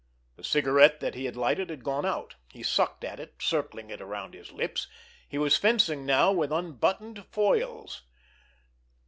The cigarette that he had lighted had gone out. He sucked at it, circling it around his lips. He was fencing now with unbuttoned foils.